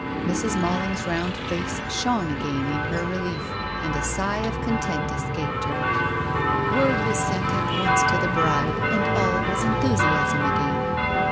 Mrs. Malling's round face shone again in her relief, and a sigh of content escaped her. Word was sent at once to the bride, and all was enthusiasm again.